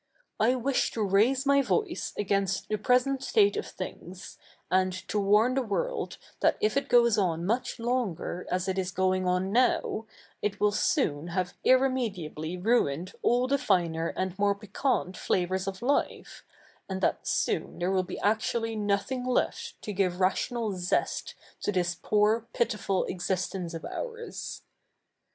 I wish to raise my voice against the prese7it state of thi7igs, a7id to wa7'7i the world that if it goes on 77iuch longer as it is goi7ig on 710W, it will S0071 have irremediably ruitied all the finer and more piqua7tt flavours of life, a7id that soo7i the7'e will be actually 7iothi7ig left to give 7'ational zest to this poor pitiful existe7ice of ou7's.